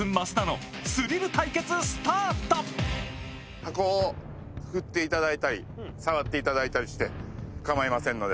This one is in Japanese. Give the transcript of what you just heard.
箱を振っていただいたり、触っていただいたたして構いませんので。